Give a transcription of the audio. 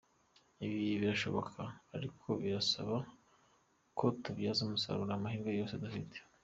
Ibi birashoboka ariko birasaba ko tubyaza umusaruro amahirwe yose dufite.